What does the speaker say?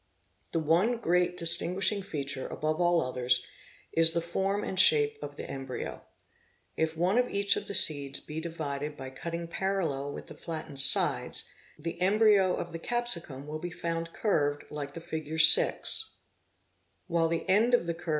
The one great distinguishing feature above all others is the form and shape of the embryo. If one of each of the seeds be divided by cutting parallel with 'the flattened sides, the embryo of the capsicum will be found curved like the figure 6, while the end of the curve in the || Fig.